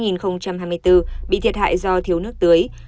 năm hai nghìn hai mươi bốn bị thiệt hại do thiếu nước tưới